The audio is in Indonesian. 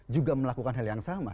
juga melakukan hal yang sama